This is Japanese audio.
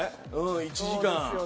１時間。